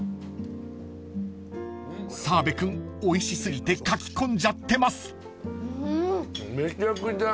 ［澤部君おいし過ぎてかき込んじゃってます］